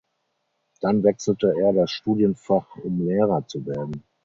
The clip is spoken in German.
Dann wechselte er das Studienfach um Lehrer zu werden.